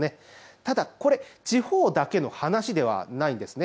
ただ、これ、地方だけの話ではないんです。